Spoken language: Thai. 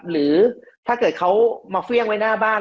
หรือถ้าเกิดเขามาเฟี่ยงไว้หน้าบ้าน